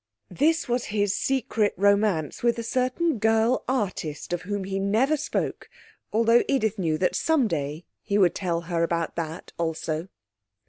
This was his secret romance with a certain girl artist of whom he never spoke, although Edith knew that some day he would tell her about that also.